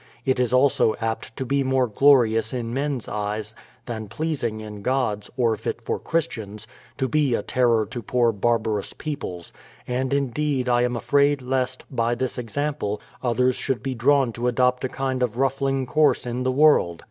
It is also apt to be more glorious in men's eyes, than pleasing in God's, or fit for Christians, to be a terror to poor bar barous peoples ; and indeed I am afraid lest, by this example, others should be drawn to adopt a kind of ruffling course in the world.